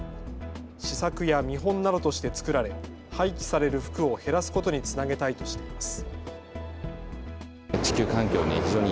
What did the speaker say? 試作や見本などとして作られ廃棄される服を減らすことにつなげたいとしています。